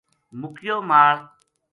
مُکیو مال